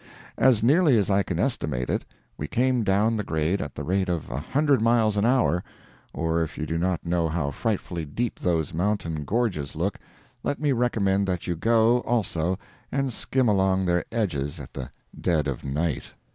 As nearly as I can estimate it, we came down the grade at the rate of a hundred miles an hour; and if you do not know how frightfully deep those mountain gorges look, let me recommend that you go, also, and skim along their edges at the dead of night.